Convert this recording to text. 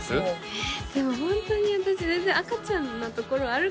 えでもホントに私全然赤ちゃんなところあるか？